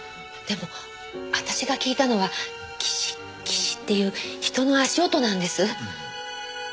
でも私が聞いたのはギシッギシッていう人の足音なんです。